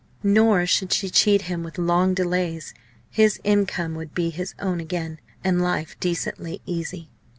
Nor should she cheat him with long delays. His income would be his own again, and life decently easy.